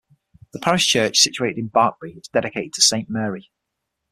The parish church situated in Barkby is dedicated to Saint Mary.